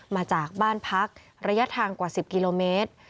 มาจากบ้านพักระยะทางกว่า๑๐กิโลเมตร